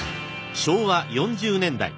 ［昭和４０年代。